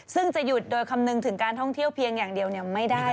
ซึ่งจะหยุดโดยคำนึงถึงการท่องเที่ยวเพียงอย่างเดียวไม่ได้